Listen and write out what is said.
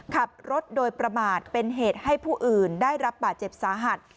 ขับรถโดยประมาทเป็นเหตุให้ผู้อื่นได้รับบาดเจ็บสาหัส